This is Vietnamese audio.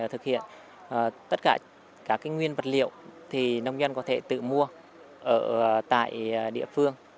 thực hiện tất cả các nguyên vật liệu thì nông dân có thể tự mua tại địa phương